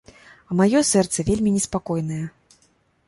А маё сэрца вельмі неспакойнае.